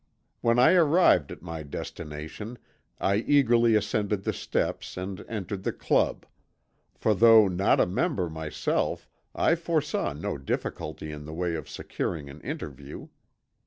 When I arrived at my destination, I eagerly ascended the steps and entered the club; for though not a member myself I foresaw no difficulty in the way of securing an interview.